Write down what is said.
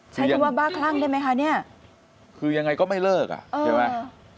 ใช้คำว่าบ้าคลั่งได้ไหมคะเนี่ยคือยังไงก็ไม่เลิกอ่ะใช่ไหม